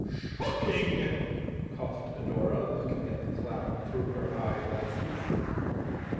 "Shocking!" coughed Adora, looking at the clown through her eye glasses.